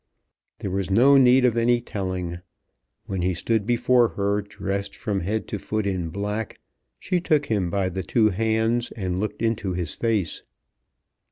There was no need of any telling. When he stood before her dressed from head to foot in black, she took him by the two hands and looked into his face.